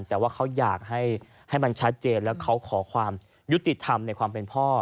เพราะว่าพวกเขาอยากให้มันชัดเจนและค่อยขอความยุติธรรมในความเป็นพ่อ